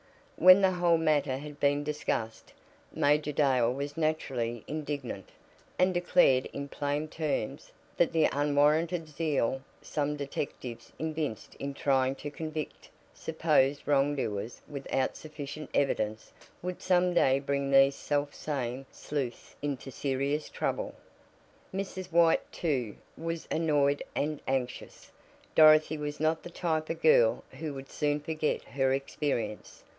When the whole matter had been discussed, Major Dale was naturally indignant, and declared in plain terms that the unwarranted zeal some detectives evinced in trying to convict supposed wrongdoers without sufficient evidence would some day bring these selfsame sleuths into serious trouble. Mrs. White, too, was annoyed and anxious. Dorothy was not the type of girl who would soon forget her experience.